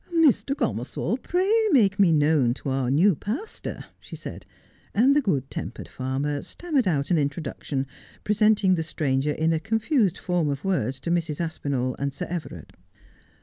' Mr. Gomersall, pray make me known to our new pastor,' she said, and the good tempered farmer stammered out an intro duction, presenting the stranger in a confused form of words to Mrs. Aspinall and Sir Everard.